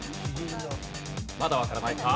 まだわからないか？